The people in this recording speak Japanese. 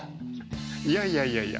いやいやいやいや。